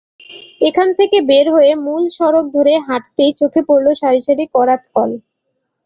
এখান থেকে বের হয়ে মূল সড়ক ধরে হাঁটতেই চোখে পড়ল সারি সারি করাতকল।